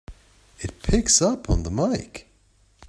It picks up on the mike!